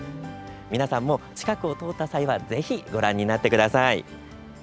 皆さんも近くを通った際はぜひご覧になってください。